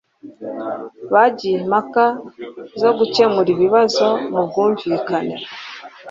bagiye mpaka zo gukemura ibibazo mu bwumvikane